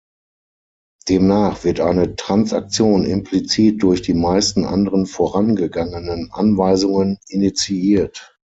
Demnach wird eine Transaktion implizit durch die meisten anderen vorangegangenen Anweisungen initiiert.